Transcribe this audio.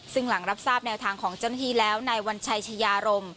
ซึ่งหลังรับทราบแนวทางของเจ้าหน้าที่แล้วนายวัญชัยชายารม